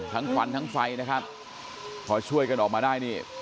ควันทั้งไฟนะครับพอช่วยกันออกมาได้นี่